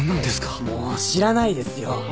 もう知らないですよ。